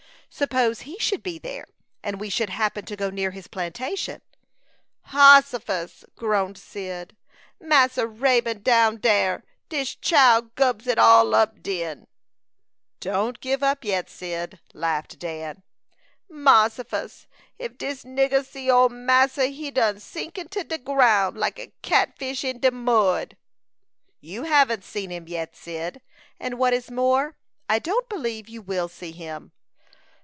Suppose he should be there, and we should happen to go near his plantation?" "Hossifus!" groaned Cyd. "Massa Raybone down dar! Dis chile gubs it all up den." "Don't give up yet, Cyd," laughed Dan. "Mossifus! If dis nigger see ole massa, he done sink into de ground, like a catfish in de mud." "You haven't seen him yet, Cyd; and what is more, I don't believe you will see him."